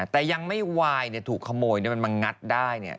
แต่ยังไม่ไวน์ถูกขโมยมันมางัดได้